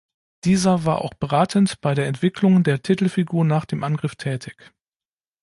Dieser war auch beratend bei der Entwicklung der Titelfigur nach dem Angriff tätig.